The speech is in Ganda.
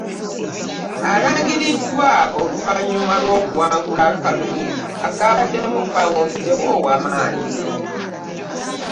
Alangiriddwa oluvannyuma lw'okuwangula akalulu akabaddemu vvaawompitewo ow'amaanyi.